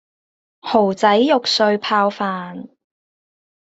蠔仔肉碎泡飯